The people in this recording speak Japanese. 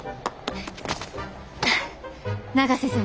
えっ！？